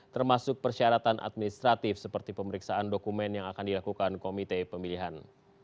termasuk persyaratan administratif seperti pemeriksaan dokumen yang akan dilakukan komite pemilihan